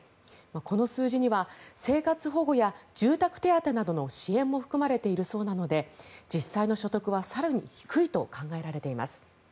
この数字には生活保護や住宅手当などの支援も含まれているそうなので実際の所得は更に低いと考えられています。